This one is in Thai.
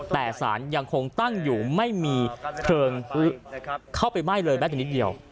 แต่สารยังคงตั้งอยู่ไม่มีเพลิงเข้าไปไหม้เลยแม้แต่นิดเดียว